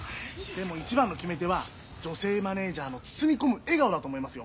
でも一番の決め手は女性マネージャーの包み込む笑顔だと思いますよ。